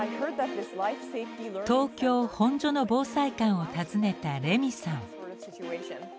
東京・本所の防災館を訪ねたレミーさん。